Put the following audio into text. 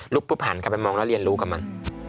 ปุ๊บหันกลับไปมองแล้วเรียนรู้กับมัน